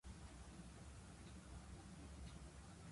This class lists the occurrences of a word in a text.